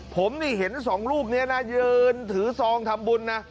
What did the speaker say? ผมนี่เห็นสองลูกนี้นะยืนถือซองทำบุญนะ